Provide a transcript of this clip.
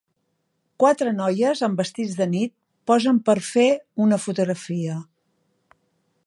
quatre noies amb vestits de nit posen per fer una fotografia.